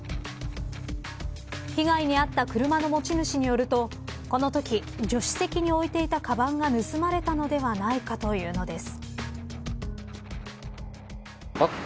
被害に遭った車の持ち主によるとこのとき助手席に置いていたかばんが盗まれたのではないかというのです。